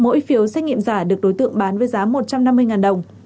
mỗi phiếu xét nghiệm giả được đối tượng bán với giá một trăm năm mươi đồng